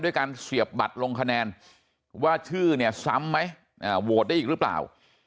การเสียบบัตรลงคะแนนว่าชื่อเนี่ยซ้ำไหมโหวตได้อีกหรือเปล่า